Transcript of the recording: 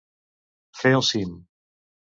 Fer el cim.